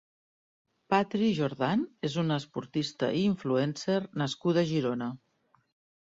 Patry Jordán és una esportista i influencer nascuda a Girona.